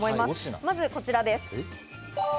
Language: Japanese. まずこちらです。